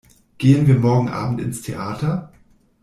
Gehen wir morgen Abend ins Theater?